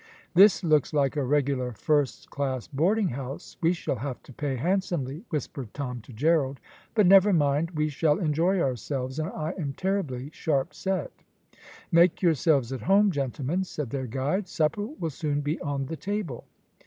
"This looks like a regular first class boarding house; we shall have to pay handsomely," whispered Tom to Gerald; "but never mind, we shall enjoy ourselves, and I am terribly sharp set!" "Make yourselves at home, gentlemen," said their guide; "supper will soon be on the table."